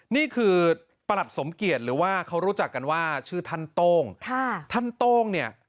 นี่คือประหลัดสมเกียจหรือว่าเขารู้จักกันว่าชื่อท่านโต้งท่านโต้งเนี่ย